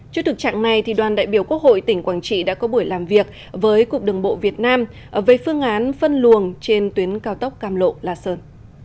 trước thực trạng này đoàn đại biểu quốc hội tỉnh quảng trị đã có buổi làm việc với cục đường bộ việt nam về phương án phân luồng trên tuyến cao tốc cam lộ la sơn